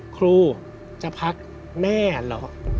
ครูจะพักแม่เหรอ